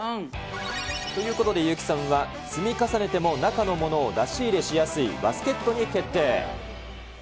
ということで、優木さんは積み重ねても中のものを出し入れしやすいバスケットに決定。